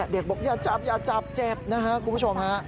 เด็กบอกอย่าจับอย่าจับเจ็บนะครับคุณผู้ชม